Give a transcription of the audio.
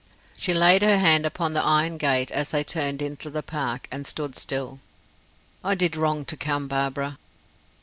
She laid her hand upon the iron gate as they turned into the park, and stood still. "I did wrong to come, Barbara."